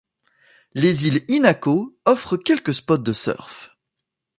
Les îles Hinako offrent quelques spots de surf.